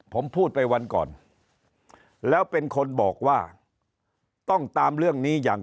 ผมพูดไปวันก่อนแล้วเป็นคนบอกว่าต้องตามเรื่องนี้อย่าง